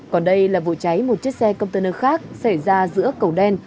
còn đây là vụ cháy một chiếc xe cộng tờ nờ khác xảy ra giữa cầu đen